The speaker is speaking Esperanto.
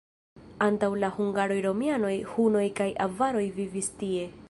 Antaŭ la hungaroj romianoj, hunoj kaj avaroj vivis tie.